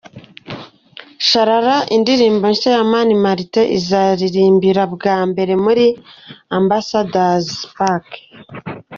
Chalala indirimbo nshya ya Mani Martin azaririmbira bwa mbere muri Ambassador's Park.